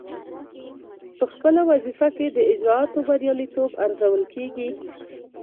پخپله وظیفه کې د اجرااتو بریالیتوب ارزول کیږي.